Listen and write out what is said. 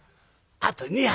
「あと２杯。